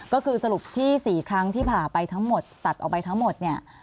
ก็คือสรุปที่๔ครั้งที่ผ่าไปทั้งหมดตัดออกไปทั้งหมดเนี่ย